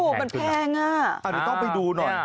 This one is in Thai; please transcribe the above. มันแพงอ่ะต้องไปดูหน่อย